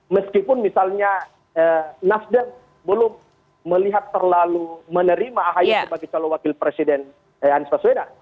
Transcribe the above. meskipun misalnya nasdem belum melihat terlalu menerima ahaya sebagai calon wakil presiden anies baswedan